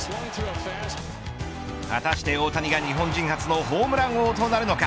果たして大谷が日本人初のホームラン王となるのか。